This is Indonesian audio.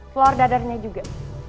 floor dadarnya juga